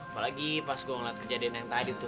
apalagi pas gue ngeliat kejadian yang tadi tuh